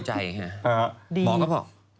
หมอก็บอก